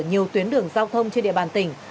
nhiều tuyến đường giao thông trên địa bàn tỉnh